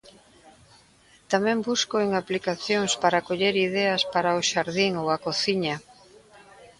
Tamén busco en apliacacións para coller ideas para o xardín ou a cociña.